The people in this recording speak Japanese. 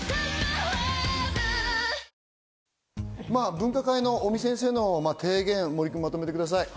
分科会の尾身先生の提言、まとめてください。